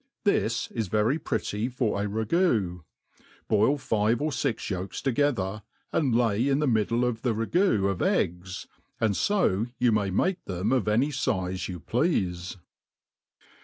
This is very pretty for a ragoo, boil fi?e or ux yolks together, and lay in the middle of the ragoo of eggs ; and fo you may make them of any fize you pleafe.